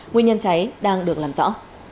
nguyên nhân cháy đang được làm rõ